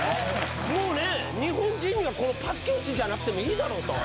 もうね日本人にはこのパッケージじゃなくてもいいだろうと。